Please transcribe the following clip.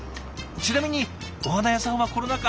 ちなみにお花屋さんはコロナ禍